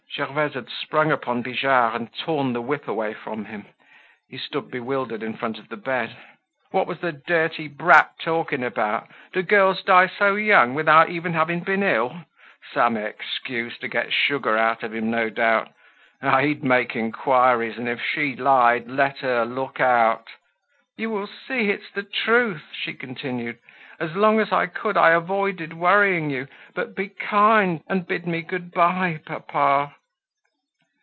Gervaise had sprung upon Bijard and torn the whip away from him. He stood bewildered in front of the bed. What was the dirty brat talking about? Do girls die so young without even having been ill? Some excuse to get sugar out of him no doubt. Ah! he'd make inquiries, and if she lied, let her look out! "You will see, it's the truth," she continued. "As long as I could I avoided worrying you; but be kind now, and bid me good bye, papa."